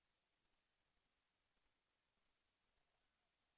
แสวได้ไงของเราก็เชียนนักอยู่ค่ะเป็นผู้ร่วมงานที่ดีมาก